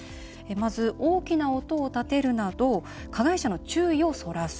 まず、大きな音を立てるなど加害者の注意をそらす。